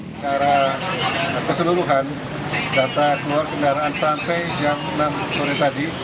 secara keseluruhan data keluar kendaraan sampai jam enam sore tadi